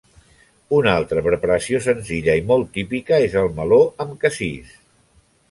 Una altra preparació senzilla i molt típica és el meló amb cassís.